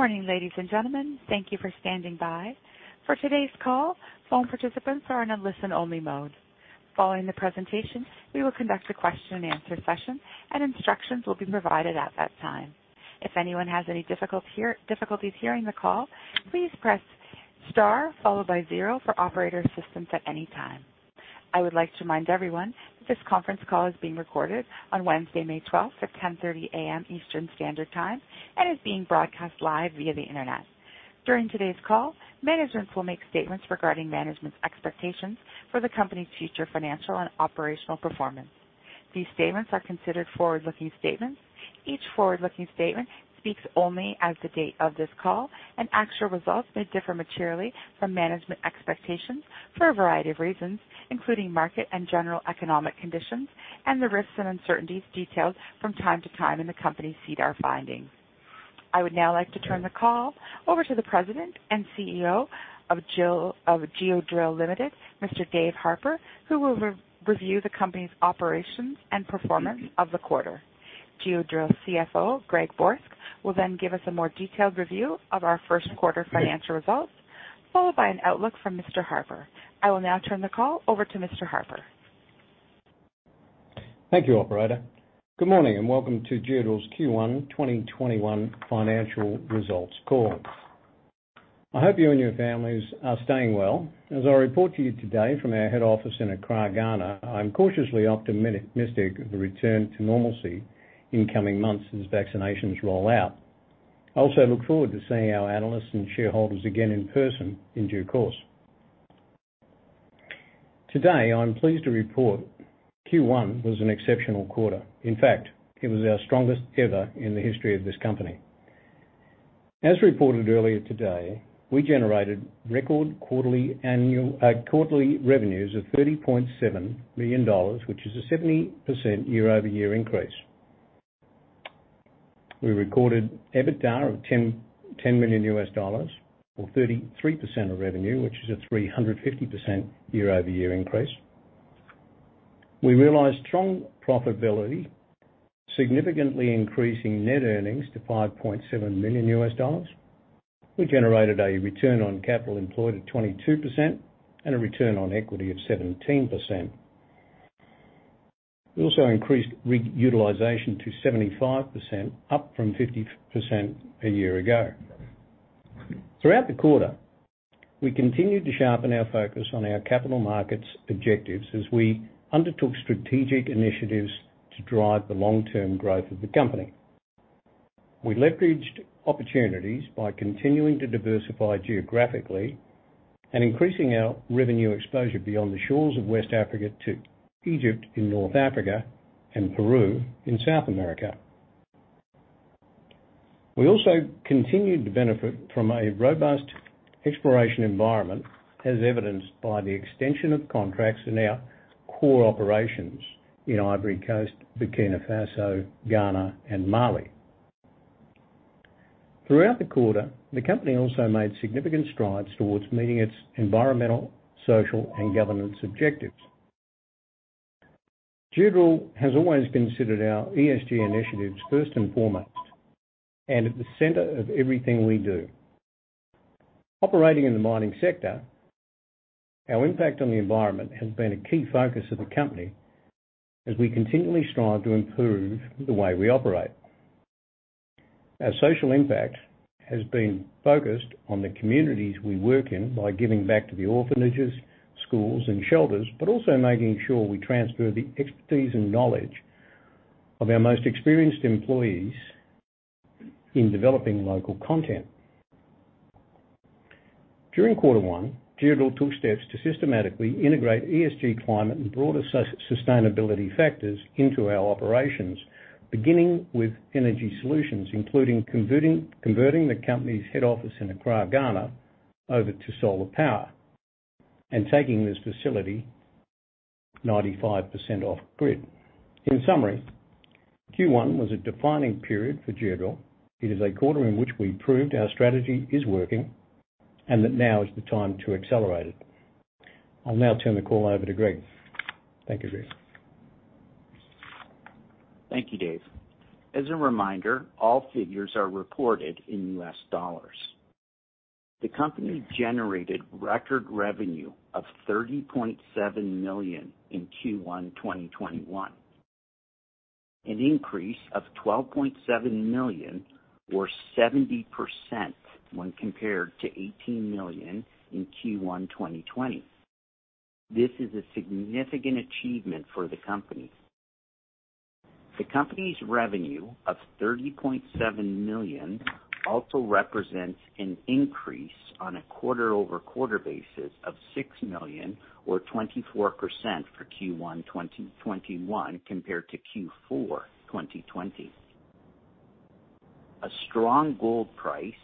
Morning, ladies and gentlemen. Thank you for standing by. For today's call, phone participants are in a listen-only mode. Following the presentation, we will conduct a question and answer session, and instructions will be provided at that time. If anyone has any difficulties hearing the call, please press star followed by zero for operator assistance at any time. I would like to remind everyone that this conference call is being recorded on Wednesday, May 12th at 10:30 AM Eastern Standard Time, and is being broadcast live via the internet. During today's call, management will make statements regarding management's expectations for the company's future financial and operational performance. These statements are considered forward-looking statements. Each forward-looking statement speaks only as the date of this call, and actual results may differ materially from management expectations for a variety of reasons, including market and general economic conditions, and the risks and uncertainties detailed from time to time in the company's SEDAR filings. I would now like to turn the call over to the President and CEO of Geodrill Limited, Mr. Dave Harper, who will review the company's operations and performance of the quarter. Geodrill CFO, Greg Borsk, will then give us a more detailed review of our first quarter financial results, followed by an outlook from Mr. Harper. I will now turn the call over to Mr. Harper. Thank you, operator. Good morning and welcome to Geodrill's Q1 2021 financial results call. I hope you and your families are staying well. As I report to you today from our head office in Accra, Ghana, I'm cautiously optimistic of a return to normalcy in coming months as vaccinations roll out. I also look forward to seeing our analysts and shareholders again in person in due course. Today, I'm pleased to report Q1 was an exceptional quarter. In fact, it was our strongest ever in the history of this company. As reported earlier today, we generated record quarterly revenues of $30.7 million, which is a 70% year-over-year increase. We recorded EBITDA of $10 million or 33% of revenue, which is a 350% year-over-year increase. We realized strong profitability, significantly increasing net earnings to $5.7 million. We generated a return on capital employed of 22% and a return on equity of 17%. We also increased rig utilization to 75%, up from 50% a year ago. Throughout the quarter, we continued to sharpen our focus on our capital markets objectives as we undertook strategic initiatives to drive the long-term growth of the company. We leveraged opportunities by continuing to diversify geographically and increasing our revenue exposure beyond the shores of West Africa to Egypt in North Africa and Peru in South America. We also continued to benefit from a robust exploration environment, as evidenced by the extension of contracts in our core operations in Ivory Coast, Burkina Faso, Ghana, and Mali. Throughout the quarter, the company also made significant strides towards meeting its environmental, social, and governance objectives. Geodrill has always considered our ESG initiatives first and foremost, and at the center of everything we do. Operating in the mining sector, our impact on the environment has been a key focus of the company as we continually strive to improve the way we operate. Our social impact has been focused on the communities we work in by giving back to the orphanages, schools, and shelters, but also making sure we transfer the expertise and knowledge of our most experienced employees in developing local content. During quarter one, Geodrill took steps to systematically integrate ESG climate and broader sustainability factors into our operations, beginning with energy solutions, including converting the company's head office in Accra, Ghana, over to solar power and taking this facility 95% off grid. In summary, Q1 was a defining period for Geodrill. It is a quarter in which we proved our strategy is working, and that now is the time to accelerate it. I'll now turn the call over to Greg. Thank you, Greg. Thank you, Dave. As a reminder, all figures are reported in US dollars. The company generated record revenue of $30.7 million in Q1 2021, an increase of $12.7 million or 70% when compared to $18 million in Q1 2020. This is a significant achievement for the company. The company's revenue of $30.7 million also represents an increase on a quarter-over-quarter basis of $6 million or 24% for Q1 2021 compared to Q4 2020. A strong gold price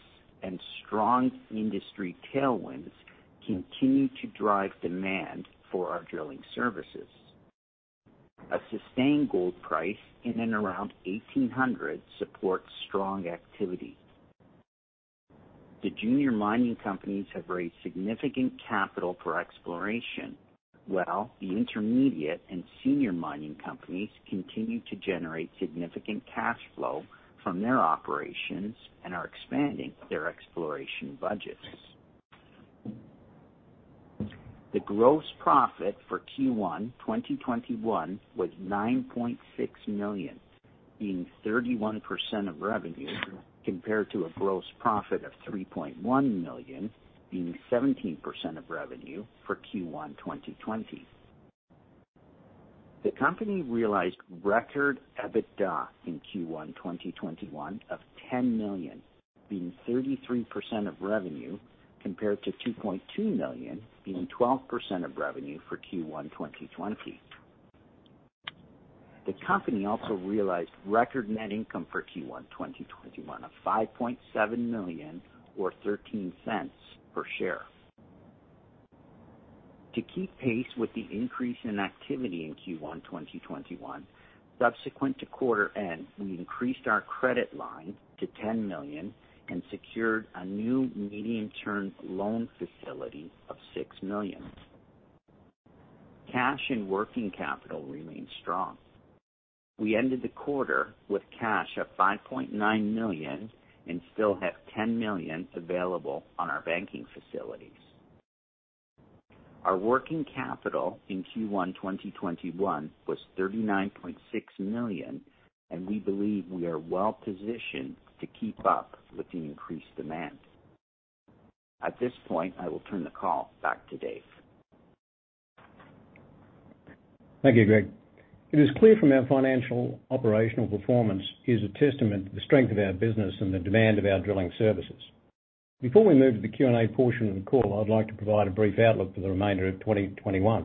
and strong industry tailwinds continue to drive demand for our drilling services. A sustained gold price in and around 1,800 supports strong activity. The junior mining companies have raised significant capital for exploration, while the intermediate and senior mining companies continue to generate significant cash flow from their operations and are expanding their exploration budgets. The gross profit for Q1 2021 was $9.6 million, being 31% of revenue, compared to a gross profit of $3.1 million, being 17% of revenue for Q1 2020. The company realized record EBITDA in Q1 2021 of $10 million, being 33% of revenue, compared to $2.2 million, being 12% of revenue for Q1 2020. The company also realized record net income for Q1 2021 of $5.7 million or $0.13 per share. To keep pace with the increase in activity in Q1 2021, subsequent to quarter end, we increased our credit line to $10 million and secured a new medium-term loan facility of $6 million. Cash and working capital remains strong. We ended the quarter with cash of $5.9 million and still have $10 million available on our banking facilities. Our working capital in Q1 2021 was $39.6 million, and we believe we are well-positioned to keep up with the increased demand. At this point, I will turn the call back to Dave. Thank you, Greg. It is clear from our financial operational performance is a testament to the strength of our business and the demand of our drilling services. Before we move to the Q&A portion of the call, I'd like to provide a brief outlook for the remainder of 2021.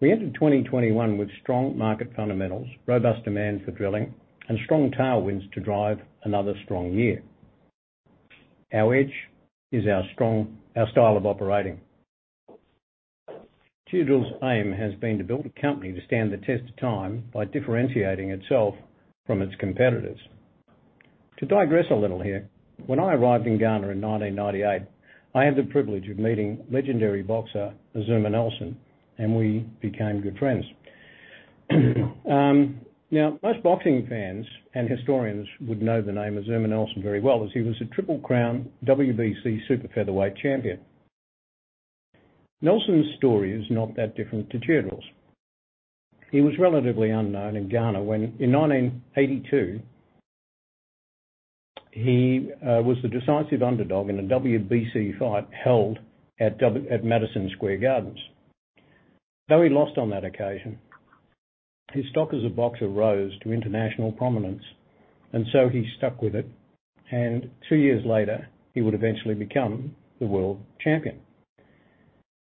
We entered 2021 with strong market fundamentals, robust demand for drilling, and strong tailwinds to drive another strong year. Our edge is our style of operating. Geodrill's aim has been to build a company to stand the test of time by differentiating itself from its competitors. To digress a little here, when I arrived in Ghana in 1998, I had the privilege of meeting legendary boxer Azumah Nelson, and we became good friends. Now, most boxing fans and historians would know the name Azumah Nelson very well, as he was a Triple Crown WBC super featherweight champion. Nelson's story is not that different to Geodrill's. He was relatively unknown in Ghana when, in 1982, he was the decisive underdog in a WBC fight held at Madison Square Gardens. Though he lost on that occasion, his stock as a boxer rose to international prominence, and so he stuck with it, and two years later, he would eventually become the world champion.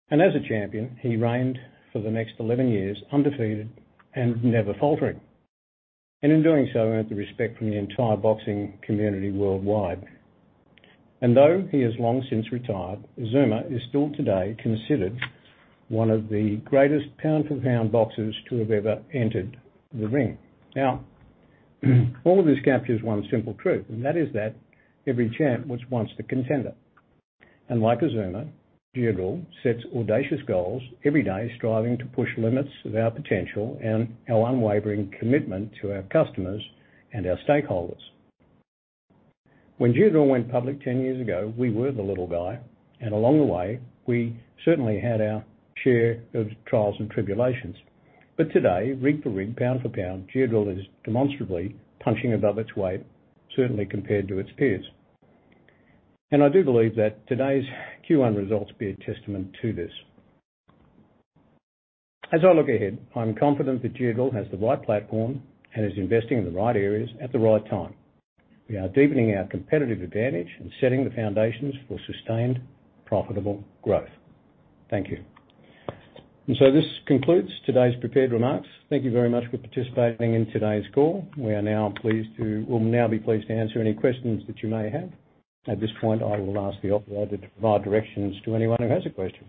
As a champion, he reigned for the next 11 years, undefeated and never faltering. In doing so, earned the respect from the entire boxing community worldwide. Though he has long since retired, Azumah is still today considered one of the greatest pound-for-pound boxers to have ever entered the ring. Now, all of this captures one simple truth, and that is that every champ was once the contender. Like Azumah, Geodrill sets audacious goals every day, striving to push limits of our potential and our unwavering commitment to our customers and our stakeholders. When Geodrill went public 10 years ago, we were the little guy, and along the way, we certainly had our share of trials and tribulations. Today, rig for rig, pound for pound, Geodrill is demonstrably punching above its weight, certainly compared to its peers. I do believe that today's Q1 results bear testament to this. As I look ahead, I'm confident that Geodrill has the right platform and is investing in the right areas at the right time. We are deepening our competitive advantage and setting the foundations for sustained, profitable growth. Thank you. This concludes today's prepared remarks. Thank you very much for participating in today's call. We'll now be pleased to answer any questions that you may have. At this point, I will ask the operator to provide directions to anyone who has a question.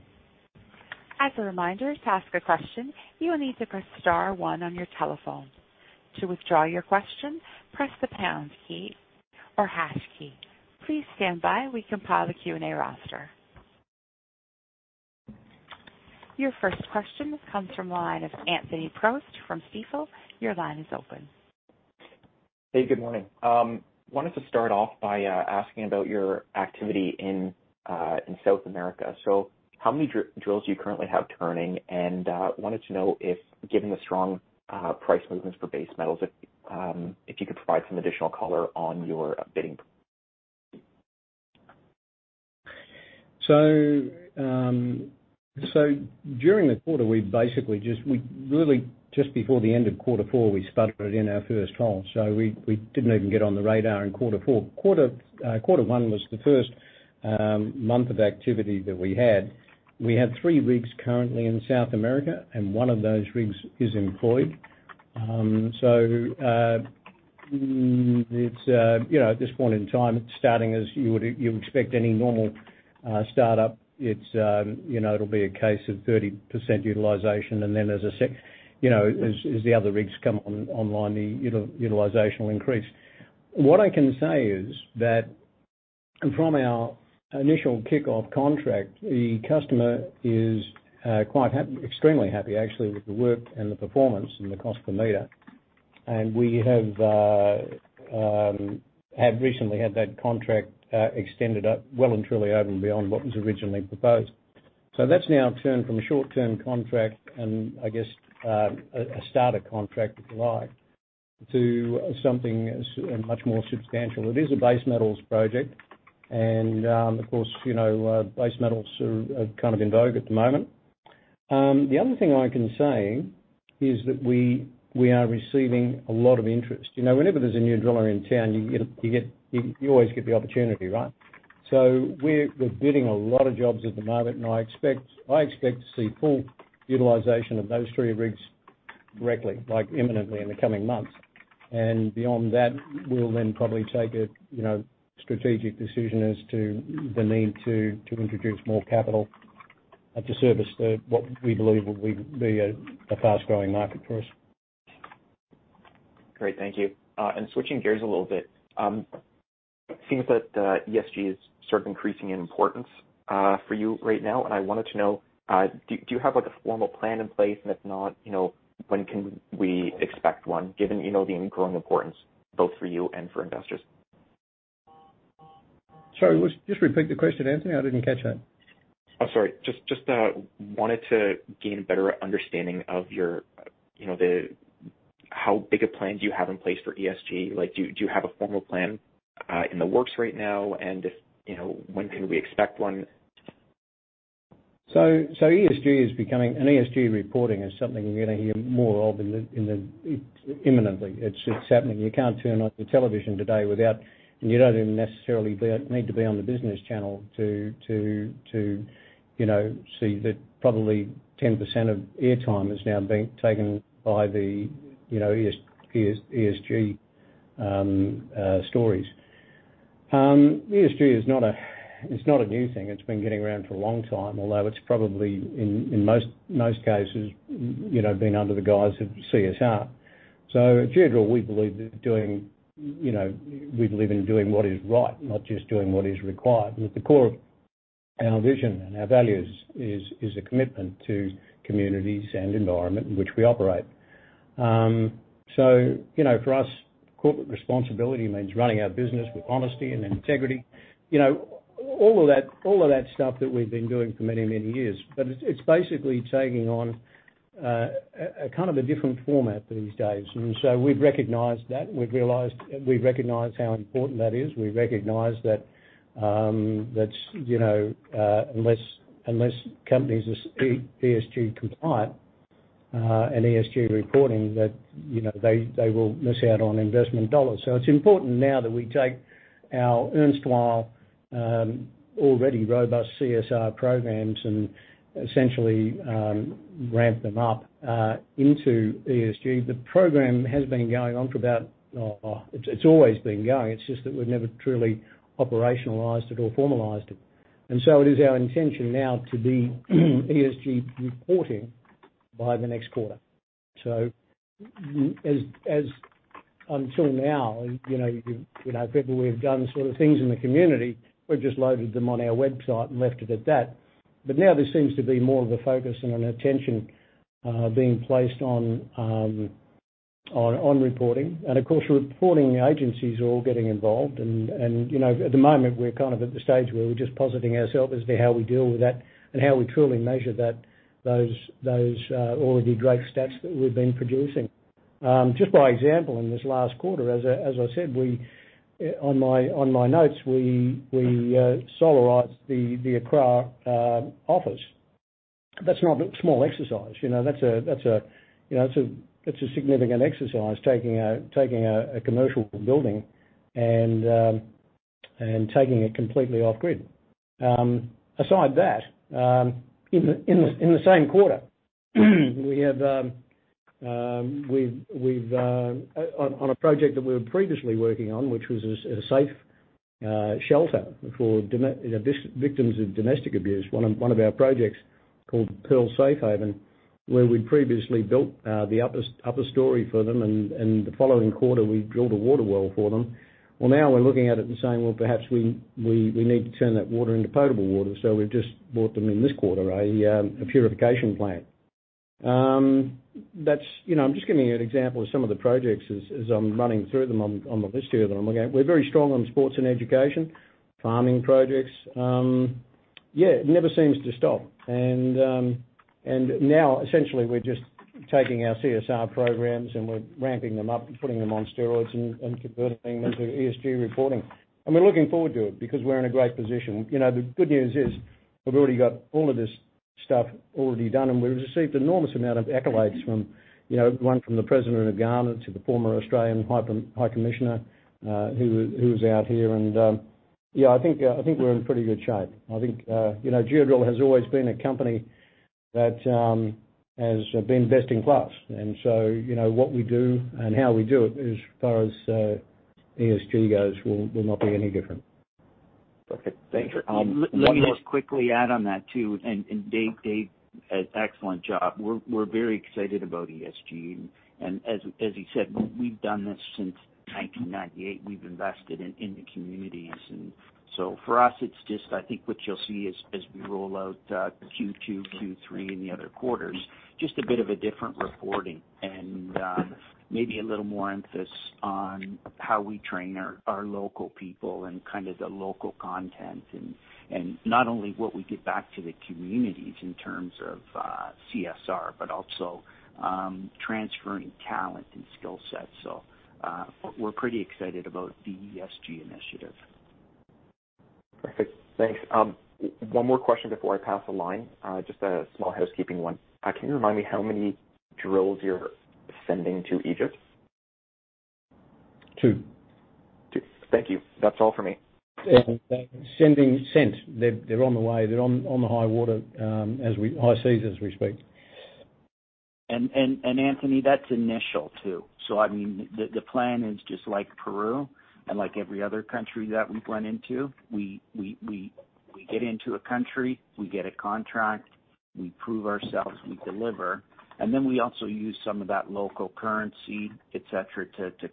Your first question comes from the line of Anthony Prost from Stifel. Your line is open. Hey, good morning. Wanted to start off by asking about your activity in South America. How many drills do you currently have turning? Wanted to know if, given the strong price movements for base metals, if you could provide some additional color on your bidding? During the quarter, we really just before the end of quarter four, we started in our first hole. We didn't even get on the radar in quarter four. Quarter one was the first month of activity that we had. We have three rigs currently in South America, and one of those rigs is employed. At this point in time, it's starting as you would expect any normal startup. It'll be a case of 30% utilization, and then as the other rigs come online, the utilization will increase. What I can say is that and from our initial kickoff contract, the customer is extremely happy actually with the work and the performance and the cost per meter. We have recently had that contract extended well and truly over and beyond what was originally proposed. That's now turned from a short-term contract, and I guess a starter contract, if you like, to something much more substantial. It is a base metals project. Of course, base metals are kind of in vogue at the moment. The other thing I can say is that we are receiving a lot of interest. Whenever there's a new driller in town, you always get the opportunity, right? We're bidding a lot of jobs at the moment, and I expect to see full utilization of those three rigs directly, imminently in the coming months. Beyond that, we'll then probably take a strategic decision as to the need to introduce more capital to service what we believe will be a fast-growing market for us. Great. Thank you. Switching gears a little bit, it seems that ESG is sort of increasing in importance for you right now, and I wanted to know, do you have a formal plan in place? If not, when can we expect one, given the growing importance both for you and for investors? Sorry, just repeat the question, Anthony. I didn't catch that. Oh, sorry. Just wanted to gain a better understanding of how big a plan do you have in place for ESG? Do you have a formal plan in the works right now, and if, when can we expect one? ESG is becoming, and ESG reporting is something we're going to hear more of imminently. It's happening. You can't turn on the television today without you don't even necessarily need to be on the business channel to see that probably 10% of air time is now being taken by the ESG stories. ESG is not a new thing. It's been getting around for a long time, although it's probably in most cases, been under the guise of CSR. At Geodrill, we believe in doing what is right, not just doing what is required. At the core of our vision and our values is a commitment to communities and environment in which we operate. For us, corporate responsibility means running our business with honesty and integrity. All of that stuff that we've been doing for many, many years. it's basically taking on a kind of a different format these days. we've recognized that, and we've realized, we recognize how important that is. We recognize that unless companies are ESG compliant in ESG reporting, that they will miss out on investment dollars. it's important now that we take our erstwhile, already robust CSR programs and essentially ramp them up into ESG. The program has been going on for about. It's always been going. It's just that we've never truly operationalized it or formalized it. it is our intention now to be ESG reporting by the next quarter. until now, people we've done sort of things in the community, we've just loaded them on our website and left it at that. now there seems to be more of a focus and an attention being placed on reporting. of course, reporting agencies are all getting involved and at the moment, we're kind of at the stage where we're just positing ourself as to how we deal with that and how we truly measure that, all of the great stats that we've been producing. Just by example, in this last quarter, as I said on my notes, we solarized the Accra office. That's not a small exercise. That's a significant exercise, taking a commercial building and taking it completely off grid. Aside that, in the same quarter on a project that we were previously working on, which was a safe shelter for victims of domestic abuse, one of our projects called Pearl Safe Haven, where we'd previously built the upper story for them and the following quarter, we drilled a water well for them. Well, now we're looking at it and saying, "Well, perhaps we need to turn that water into potable water." We've just bought them in this quarter a purification plant. I'm just giving you an example of some of the projects as I'm running through them on the list here that I'm looking at. We're very strong on sports and education, farming projects. Yeah, it never seems to stop. Now essentially, we're just taking our CSR programs and we're ramping them up and putting them on steroids and converting them into ESG reporting. We're looking forward to it because we're in a great position. The good news is we've already got all of this stuff already done, and we've received enormous amount of accolades from, one from the president of Ghana to the former Australian high commissioner who is out here. yeah, I think we're in pretty good shape. I think Geodrill has always been a company that has been best in class. what we do and how we do it as far as ESG goes will not be any different. Okay, thank you. Let me just quickly add on that too, and Dave did an excellent job. We're very excited about ESG, and as he said, we've done this since 1998. We've invested in the communities, and so for us, I think what you'll see as we roll out Q2, Q3, and the other quarters, just a bit of a different reporting and maybe a little more emphasis on how we train our local people and the local content. Not only what we give back to the communities in terms of CSR, but also transferring talent and skill sets. We're pretty excited about the ESG initiative. Perfect. Thanks. One more question before I pass the line, just a small housekeeping one. Can you remind me how many drills you're sending to Egypt? Two. Two. Thank you. That's all for me. Sending, sent. They're on the way. They're on the high water, high seas as we speak. Anthony, that's initial too. I mean, the plan is just like Peru and like every other country that we've went into. We get into a country, we get a contract, we prove ourselves, we deliver, and then we also use some of that local currency, et cetera, to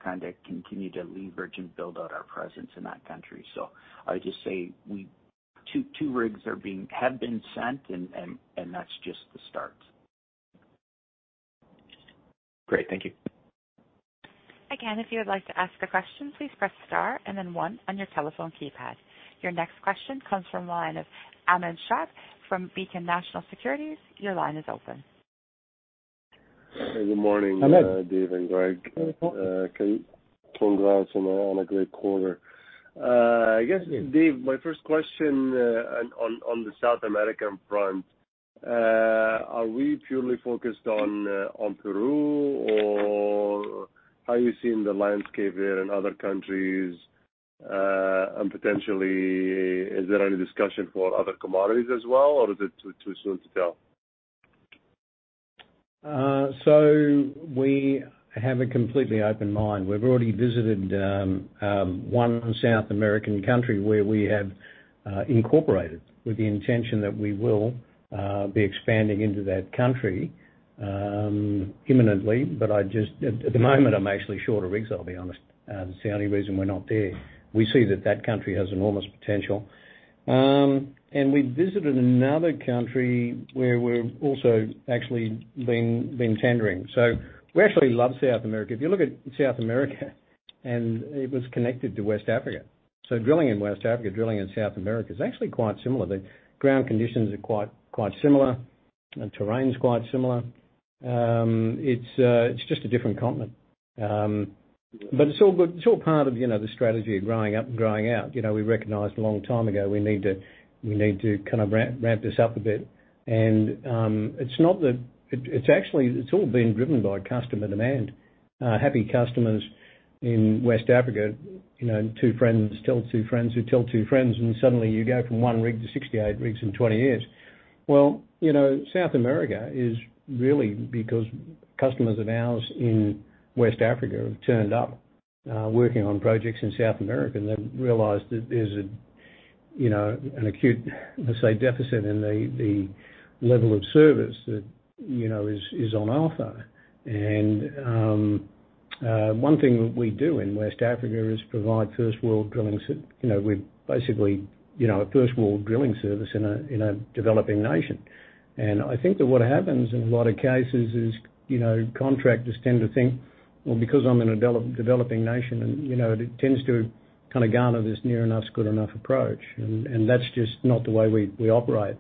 continue to leverage and build out our presence in that country. I would just say two rigs have been sent and that's just the start. Great. Thank you. Again, if you would like to ask a question, please press star and then one on your telephone keypad. Your next question comes from the line of Ahmed Shaath from Beacon Securities Limited. Your line is open. Hey, good morning Ahmed Dave and Greg. Congrats on a great quarter. Thank you. I guess, Dave, my first question on the South American front. Are we purely focused on Peru or are you seeing the landscape there in other countries? Potentially, is there any discussion for other commodities as well, or is it too soon to tell? We have a completely open mind. We've already visited one South American country where we have incorporated with the intention that we will be expanding into that country imminently. At the moment, I'm actually short of rigs, I'll be honest. It's the only reason we're not there. We see that that country has enormous potential. We visited another country where we've also actually been tendering. We actually love South America. If you look at South America, and it was connected to West Africa. Drilling in West Africa, drilling in South America, is actually quite similar. The ground conditions are quite similar. The terrain's quite similar. It's just a different continent. It's all part of the strategy of growing up and growing out. We recognized a long time ago we need to kind of ramp this up a bit. It's all been driven by customer demand. Happy customers in West Africa, two friends tell two friends who tell two friends, and suddenly you go from one rig to 68 rigs in 20 years. Well, South America is really because customers of ours in West Africa have turned up, working on projects in South America, and they've realized that there's an acute, let's say, deficit in the level of service that is on offer. One thing that we do in West Africa is provide first world drilling. We're basically a first world drilling service in a developing nation. I think that what happens in a lot of cases is contractors tend to think, "Well, because I'm in a developing nation," and it tends to kind of garner this near enough's good enough approach. That's just not the way we operate.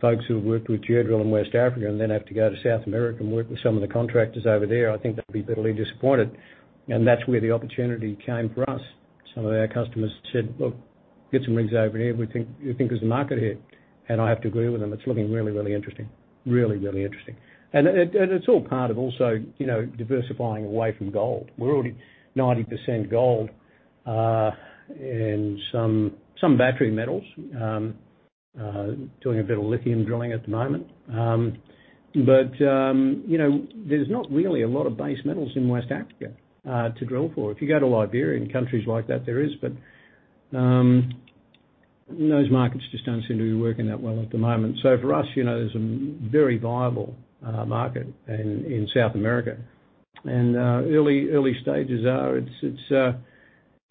Folks who have worked with Geodrill in West Africa and then have to go to South America and work with some of the contractors over there, I think they'll be bitterly disappointed. That's where the opportunity came for us. Some of our customers said, "Look, get some rigs over here. We think there's a market here." I have to agree with them. It's looking really, really interesting. Really, really interesting. It's all part of also diversifying away from gold. We're already 90% gold, and some battery metals. Doing a bit of lithium drilling at the moment. There's not really a lot of base metals in West Africa to drill for. If you go to Liberia and countries like that, there is, but those markets just don't seem to be working that well at the moment. For us, there's a very viable market in South America. Early stages are,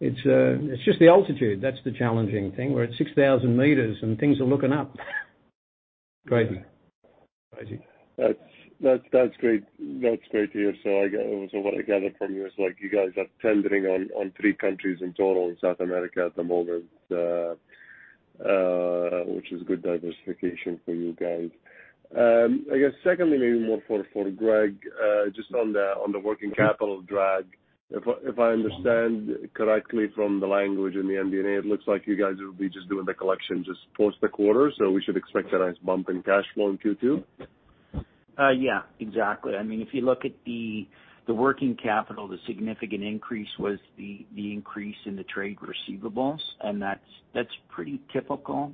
it's just the altitude, that's the challenging thing. We're at 6,000 meters and things are looking up. Great. Amazing. That's great to hear. What I gather from you is like you guys are tendering on three countries in total in South America at the moment, which is good diversification for you guys. I guess secondly, maybe more for Greg, just on the working capital drag. If I understand correctly from the language in the MD&A, it looks like you guys will be just doing the collection just post the quarter, so we should expect a nice bump in cash flow in Q2? Yeah. Exactly. If you look at the working capital, the significant increase was the increase in the trade receivables, and that's pretty typical.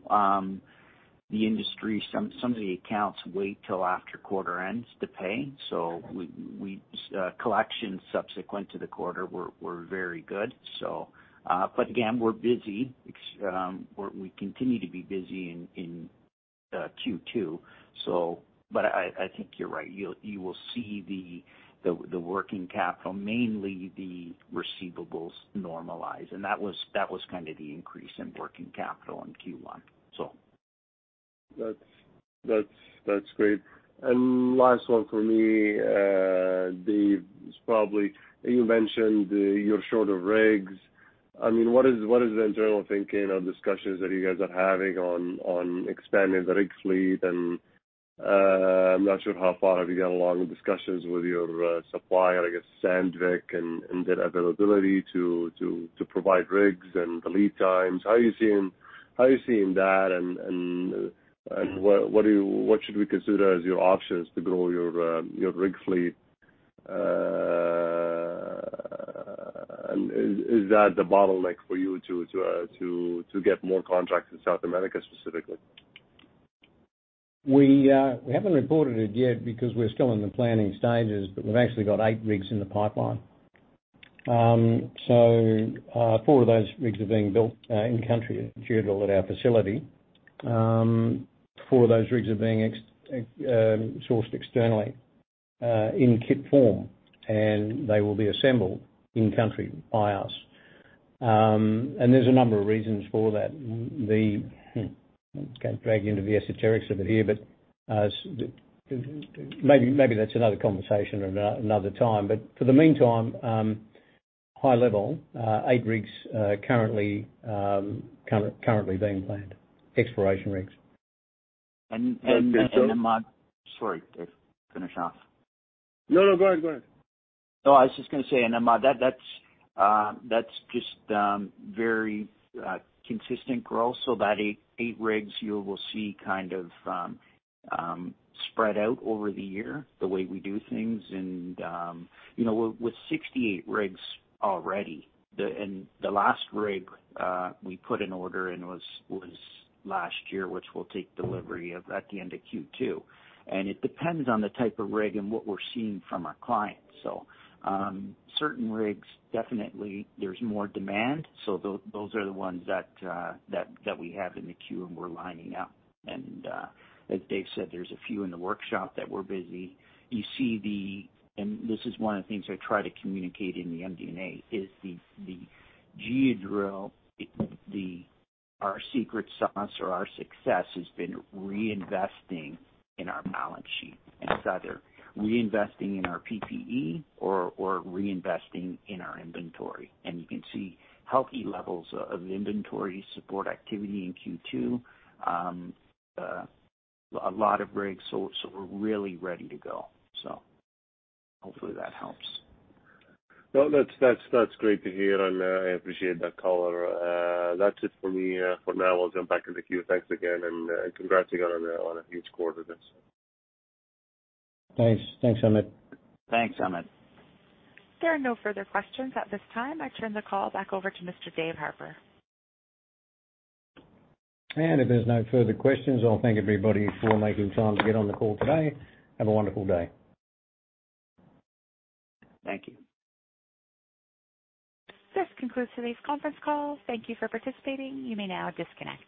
The industry, some of the accounts wait till after quarter ends to pay. Collections subsequent to the quarter were very good. Again, we're busy. We continue to be busy in Q2. I think you're right. You will see the working capital, mainly the receivables normalize. That was the increase in working capital in Q1. That's great. Last one for me, Dave. You mentioned you're short of rigs. What is the internal thinking or discussions that you guys are having on expanding the rig fleet? I'm not sure how far have you got along with discussions with your supplier, I guess Sandvik, and their availability to provide rigs and the lead times. How are you seeing that and what should we consider as your options to grow your rig fleet? Is that the bottleneck for you to get more contracts in South America, specifically? We haven't reported it yet because we're still in the planning stages, but we've actually got eight rigs in the pipeline. Four of those rigs are being built in country at Geodrill at our facility. Four of those rigs are being sourced externally in kit form, and they will be assembled in country by us. There's a number of reasons for that. I'm going to drag you into the esoterics of it here, but maybe that's another conversation at another time. For the meantime, high level, eight rigs are currently being planned. Exploration rigs. And so- Sorry, Dave, finish off. No, go ahead. No, I was just going to say, and that's just very consistent growth. That eight rigs you will see kind of spread out over the year, the way we do things. With 68 rigs already, and the last rig we put an order in was last year, which we'll take delivery of at the end of Q2. It depends on the type of rig and what we're seeing from our clients. Certain rigs, definitely there's more demand. Those are the ones that we have in the queue and we're lining up. As Dave said, there's a few in the workshop that we're busy. This is one of the things I try to communicate in the MD&A, is the Geodrill, our secret sauce or our success has been reinvesting in our balance sheet. It's either reinvesting in our PPE or reinvesting in our inventory. You can see healthy levels of inventory support activity in Q2. A lot of rigs, so we're really ready to go. Hopefully that helps. No, that's great to hear, and I appreciate that color. That's it for me. For now, we'll jump back in the queue. Thanks again, and congrats to you on a huge quarter this. Thanks. Thanks, Ahmed. Thanks, Ahmed. There are no further questions at this time. I turn the call back over to Mr. Dave Harper. If there's no further questions, I'll thank everybody for making time to get on the call today. Have a wonderful day. Thank you. This concludes today's conference call. Thank you for participating. You may now disconnect.